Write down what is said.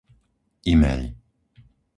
Imeľ